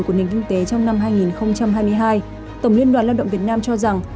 của nền kinh tế trong năm hai nghìn hai mươi hai tổng liên đoàn lao động việt nam cho rằng